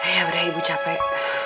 ya udah ibu capek